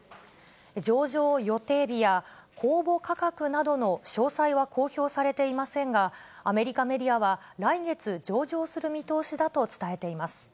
上場予定日や公募価格などの詳細は公表されていませんが、アメリカメディアは来月、上場する見通しだと伝えています。